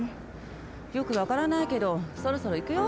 よくわからないけどそろそろいくよ。